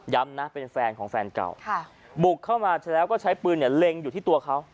ย้ำนะเป็นแฟนของแฟนเก่าค่ะบุกเข้ามาเสร็จแล้วก็ใช้ปืนเนี้ยเล็งอยู่ที่ตัวเขา